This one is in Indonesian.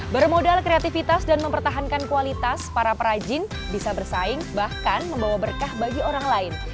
bermodal kreativitas dan mempertahankan kualitas para perajin bisa bersaing bahkan membawa berkah bagi orang lain